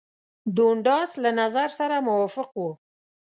دونډاس له نظر سره موافق وو.